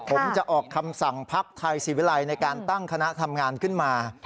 ผมจะออกคำสั่งพักไทยศิวิลัยในการตั้งคณะทำงานขึ้นมา